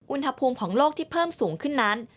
อุณหภูมิของโลกที่เพิ่มสูงขึ้นนั้น